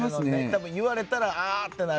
たぶん言われたらあってなる。